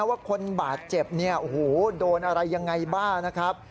ว่าคนบาดเจ็บโดนอะไรยังไงบ้างนะครับ